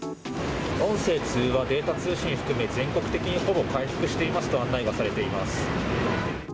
音声通話、データ通信含め全国的にほぼ回復していますと案内がされています。